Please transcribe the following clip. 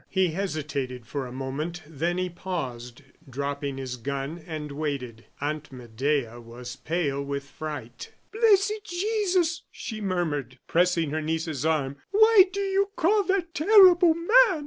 He hesitated for a moment, then he paused, dropped his gun, and waited. Aunt Medea was pale with fright. "Blessed Jesus!" she murmured, pressing her niece's arm; "why do you call that terrible man?"